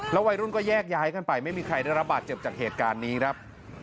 วัยรุ่นก็แยกย้ายกันไปไม่มีใครได้รับบาดเจ็บจากเหตุการณ์นี้ครับ